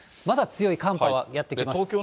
まだ強い寒波はやって来ます。